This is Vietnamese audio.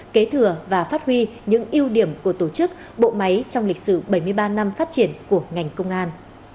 kế thừa và phát huy những ưu điểm của tổ chức bộ máy trong lịch sử bảy mươi ba năm phát triển của ngành công an